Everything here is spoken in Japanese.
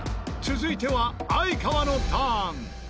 続いては哀川のターン。